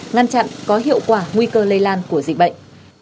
ngăn chặn có hiệu quả nguy cơ lây lan của dịch bệnh